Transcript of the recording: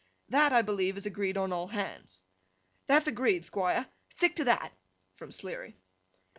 That, I believe, is agreed on all hands.' 'Thath agreed, Thquire. Thick to that!' From Sleary.